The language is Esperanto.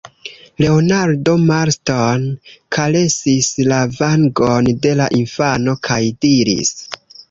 Leonardo Marston karesis la vangon de la infano kaj diris: